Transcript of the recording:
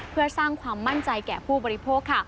เพื่อสร้างความมั่นใจแก่ผู้บริโภค